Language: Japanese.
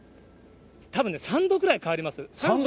たぶんね、３度ぐらい変わります。